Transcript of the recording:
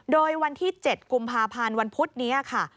โดยวันที่๗กุมภาพพาลวันพุษอ่ะค่ะ